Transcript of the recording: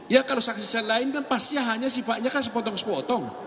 ya kalau saksi saksi lain kan pasti hanya sifatnya kan sepotong sepotong